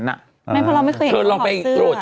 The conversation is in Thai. ไม่เพราะเราไม่เคยเห็นของเสื้อ